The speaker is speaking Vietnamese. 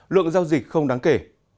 lượng giao dịch không đáng kể